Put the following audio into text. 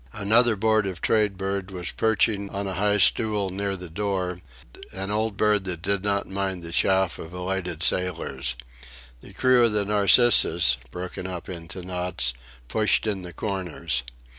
Another Board of Trade bird was perching on a high stool near the door: an old bird that did not mind the chaff of elated sailors. The crew of the Narcissus, broken up into knots, pushed in the corners.